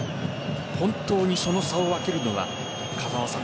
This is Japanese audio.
本当にその差を分けるのは風間さん。